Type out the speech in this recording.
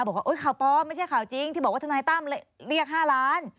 บอกว่าข่าวปลอมไม่ใช่ข่าวจริงที่บอกว่าทนายตั้มเรียก๕ล้าน